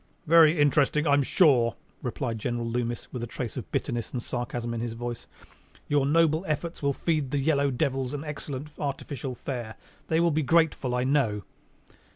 "Very interesting, I am sure," replied General Loomis, with a trace of bitterness and sarcasm in his voice. "Your noble efforts will result in feeding the yellow devils an excellent artificial fare. They will be grateful, I know!"